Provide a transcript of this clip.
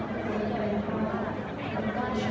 พี่แม่ที่เว้นได้รับความรู้สึกมากกว่า